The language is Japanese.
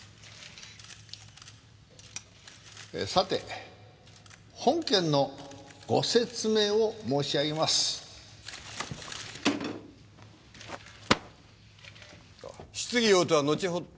「さて本件のご説明を申し上げます」質疑応答はのちほど。